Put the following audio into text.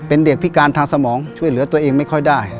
เป็นเด็กพิการทางสมองช่วยเหลือตัวเองไม่ค่อยได้